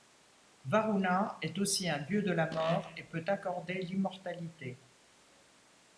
Varuna est aussi un dieu de la mort et peut accorder l'immortalité.